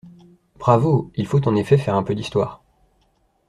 Bravo ! Il faut en effet faire un peu d’histoire.